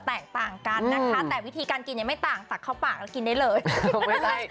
เพราะฉะนั้นเครื่องเคียงต่างกันนิดนึง